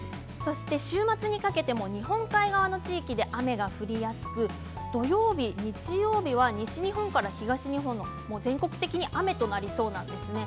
週末にかけても日本海側の地域で雨が降りやすく土曜日、日曜日は西日本から東日本の全国的に雨となりそうなんですね。